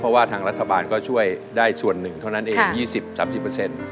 เพราะว่าทางรัฐบาลก็ช่วยได้ส่วนหนึ่งเท่านั้นเอง๒๐๓๐เปอร์เซ็นต์